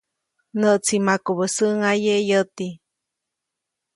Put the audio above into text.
‒Näʼtsi makubä säʼŋaye yäti‒.